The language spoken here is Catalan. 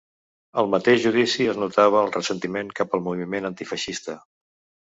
Al mateix judici es notava el ressentiment cap al moviment antifeixista.